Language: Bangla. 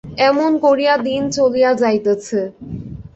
এমনি করিয়া দিন চলিয়া যাইতেছে।